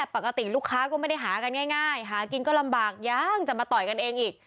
ปกติลูกค้าก็ไม่ได้หากันง่ายหากินก็ลำบากยังจะมาต่อยกันเองอีก